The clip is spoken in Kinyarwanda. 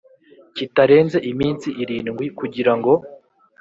kitarenze iminsi irindwi kugira ngo